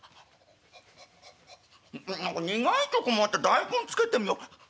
「苦いとこもあって大根つけてみよう。